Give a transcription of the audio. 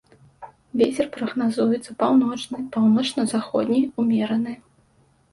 Вецер прагназуецца паўночны, паўночна-заходні ўмераны.